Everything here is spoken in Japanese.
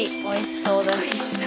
おいしそうだし。